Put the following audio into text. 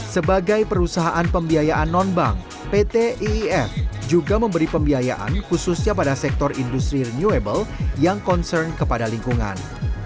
sebagai perusahaan pembiayaan non bank pt iif juga memberi pembiayaan khususnya pada sektor industri renewable yang concern kepada lingkungan